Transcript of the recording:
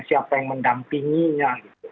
siapa yang mendampinginya